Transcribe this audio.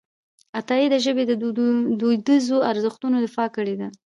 عطایي د ژبې د دودیزو ارزښتونو دفاع کړې ده.